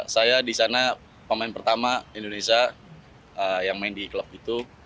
saya di sana pemain pertama indonesia yang main di klub itu